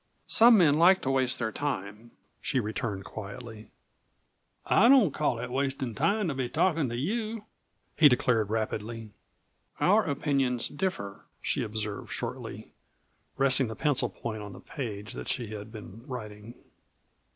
"Some men like to waste their time," she returned quietly. "I don't call it wastin' time to be talkin' to you," he declared rapidly. "Our opinions differ," she observed shortly, resting the pencil point on the page that she had been writing.